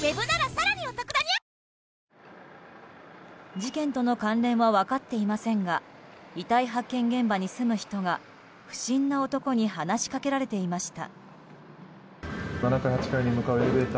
事件との関連は分かっていませんが遺体発見現場に住む人が不審な男に話しかけられていました。